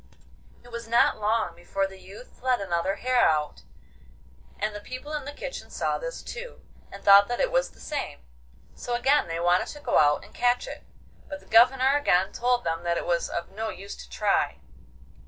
It was not long before the youth let another hare out, and the people in the kitchen saw this too, and thought that it was the same. So again they wanted to go out and catch it, but the Governor again told them that it was of no use to try.